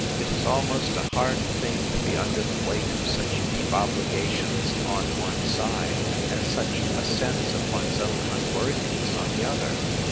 —It is almost a hard thing to be under the weight of such deep obligations on one side, and such a sense of one's own unworthiness on the other.